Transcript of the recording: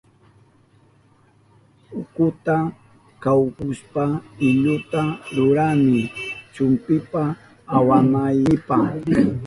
Utkuta kawpushpa iluta rurani chumpita awanaynipa.